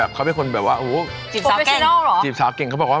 เอ้าหลบสายตาไปมาอะไร